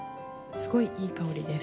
すごいいい香りです。